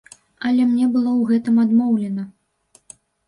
Але мне было ў гэтым адмоўлена.